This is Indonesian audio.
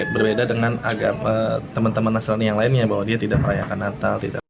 berbeda dengan agama teman teman nasrani yang lainnya bahwa dia tidak merayakan natal